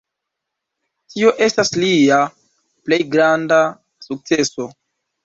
Tio estas lia plej granda sukceso.